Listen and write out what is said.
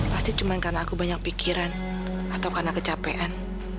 pasti cuma karena aku banyak pikiran atau karena kecapean